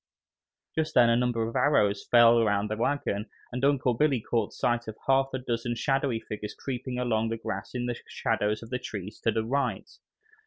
Just then, a number of arrows fell around the wagon, and Uncle Billy caught sight of half a dozen shadowy figures creeping along the grass in the shadows of the trees to the right.